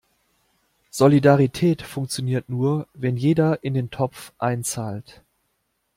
Solidarität funktioniert nur, wenn jeder in den Topf einzahlt.